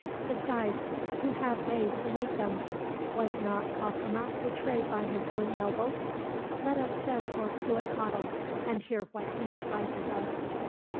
Besides, who have they to lead them? Was not Cacama betrayed by his own nobles? Let us send for Cuitcatl, and hear what he advises us."